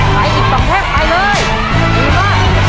พิมพ์พิมพ์มาช่วยหน่อยก็ได้นะ